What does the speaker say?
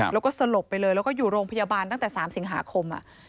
แล้วก็สลบไปเลยแล้วก็อยู่โรงพยาบาลตั้งแต่๓สิงหาคม